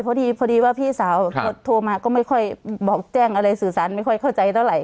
พอดีว่าพี่สาวโทรมาก็ไม่ค่อยบอกแจ้งอะไรสื่อสารไม่ค่อยเข้าใจเท่าไห